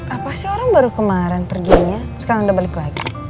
apa sih orang baru kemarin perginya sekarang udah balik lagi